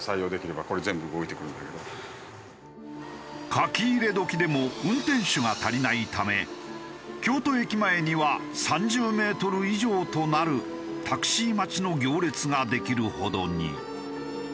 書き入れ時でも運転手が足りないため京都駅前には３０メートル以上となるタクシー待ちの行列ができるほどに。